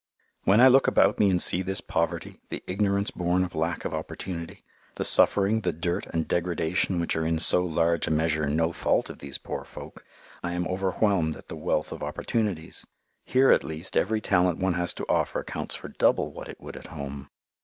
When I look about me and see this poverty, the ignorance born of lack of opportunity, the suffering, the dirt, and degradation which are in so large a measure no fault of these poor folk, I am overwhelmed at the wealth of opportunities. Here at least every talent one has to offer counts for double what it would at home.